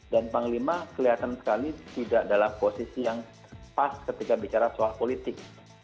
dan panglima kelihatan sekali tidak dalam posisi yang pas ketika bicara soal politik